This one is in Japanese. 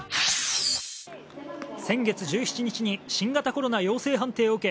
先月１７日に新型コロナ陽性判定を受け